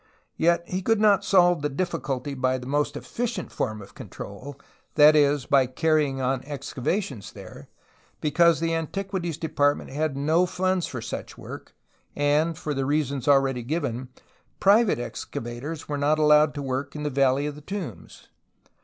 Yet he could not solve the difficulty by the most efficient form of control, that is, by carrying on excavations there, because the Antiquities Department had no funds for such work and, for the reasons already given, private excavators were not allowed to work in the \^alley of the Tombs.